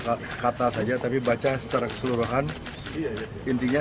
kata kata saja tapi baca secara keseluruhan iya ya